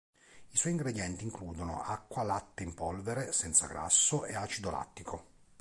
I suoi ingredienti includono: acqua, latte in polvere senza grasso e acido lattico.